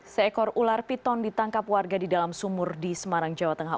seekor ular piton ditangkap warga di dalam sumur di semarang jawa tengah